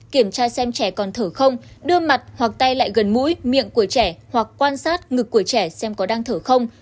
kiểm tra xem trẻ còn thở không đưa mặt hoặc tay lại gần mũi miệng của trẻ hoặc quan sát ngực của trẻ xem có đang thở không